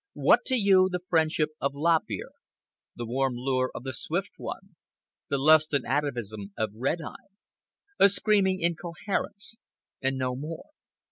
What to you the friendship of Lop Ear, the warm lure of the Swift One, the lust and the atavism of Red Eye? A screaming incoherence and no more.